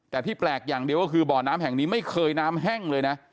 แต่ที่แปลกอย่างเดียวก็คือบ่อน้ำแห่งนี้ไม่เคยน้ำแห้งเลยนะ